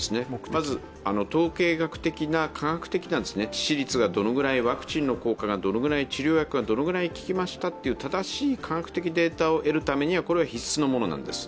まず、統計学的な科学的な致死率がどのくらい、ワクチンの効果がどのくらい治療薬がどのぐらい効きましたという正しい科学的データを得るためには必須のものなんです。